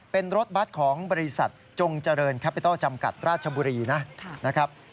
เป็นรถบัตรของบริษัทจงเจริญแคปปิโต้จำกัดราชบุรีนะครับ